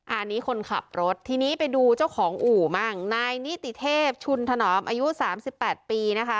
อันนี้คนขับรถทีนี้ไปดูเจ้าของอู่มั่งนายนิติเทพชุนถนอมอายุสามสิบแปดปีนะคะ